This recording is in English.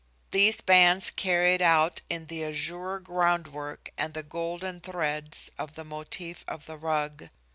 These bands carried out in the azure groundwork and the golden threads the motif of the rug.